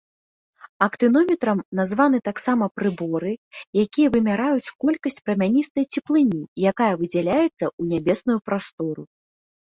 Актынометрам названы таксама прыборы, якія вымяраюць колькасць прамяністай цеплыні, якая выдзяляецца ў нябесную прастору.